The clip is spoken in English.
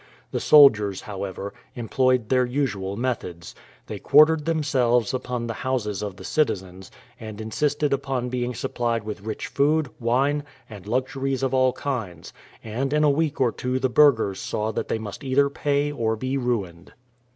The soldiers, however, employed their usual methods. They quartered themselves upon the houses of the citizens, and insisted upon being supplied with rich food, wine, and luxuries of all kinds; and in a week or two the burghers saw that they must either pay or be ruined.